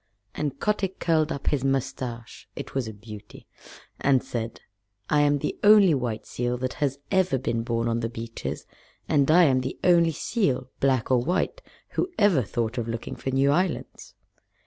And Kotick curled up his mustache (it was a beauty) and said, "I am the only white seal that has ever been born on the beaches, and I am the only seal, black or white, who ever thought of looking for new islands."